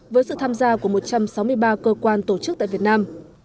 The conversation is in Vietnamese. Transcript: với sự tham gia của một trăm sáu mươi ba cơ quan tổ chức tại việt nam